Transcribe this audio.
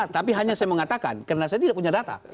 tapi hanya saya mengatakan karena saya tidak punya data